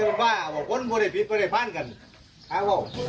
มันไม่ได้พิษไม่ได้พันธุ์กัน